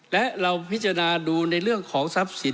และเราพิจารณาดูในเรื่องของทรัพย์สิน